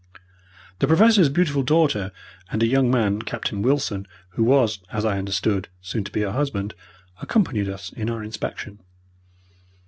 The Professor's beautiful daughter and a young man, Captain Wilson, who was, as I understood, soon to be her husband, accompanied us in our inspection.